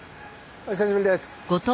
お久しぶりです。